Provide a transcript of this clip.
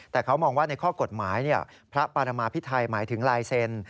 แต่เขามองว่าในข้อกฎหมายพระปรมาพิไทยหมายถึงลายเซ็น